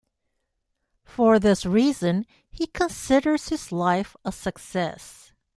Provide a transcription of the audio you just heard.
For this reason he considers his life a success.